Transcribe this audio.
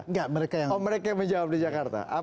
enggak mereka yang menjawab di jakarta